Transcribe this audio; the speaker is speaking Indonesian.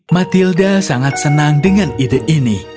matilda sangat senang dengan ide ini